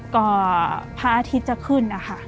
ก่อพระอาทิตย์จะขึ้นค่ะ